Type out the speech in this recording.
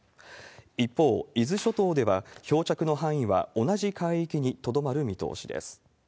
一方、伊豆諸島では漂着の範囲は同じ海域にとどまる見通しです。